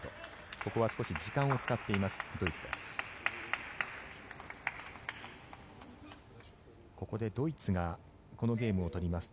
ここは少し時間を使っていますドイツです。